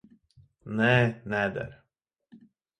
Nē, neder.